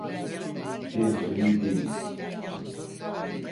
Henüz emin değiliz.